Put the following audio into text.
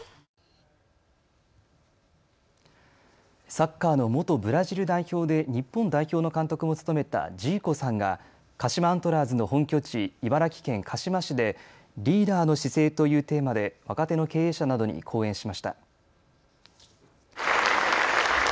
サッカーの元ブラジル代表で日本代表の監督も務めたジーコさんが鹿島アントラーズの本拠地、茨城県鹿嶋市でリーダーの姿勢というテーマで若手の経営者などに講演しました。